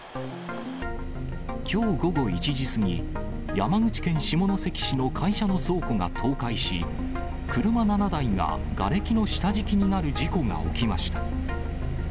きょう午後１時過ぎ、山口県下関市の会社の倉庫が倒壊し、車７台ががれきの下敷きになる事故が起きました。